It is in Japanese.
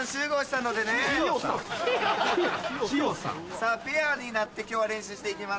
さぁペアになって今日は練習して行きます。